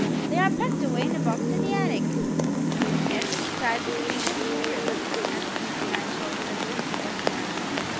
They are packed away in a box in the attic." "Carefully tied with pink and blue ribbons?" asked Miss Maxwell, with a whimsical smile.